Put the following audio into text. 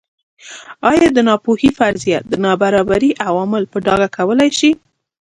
ایا د ناپوهۍ فرضیه د نابرابرۍ عوامل په ډاګه کولای شي.